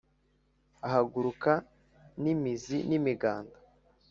Ahaguruka n'imizi n'imiganda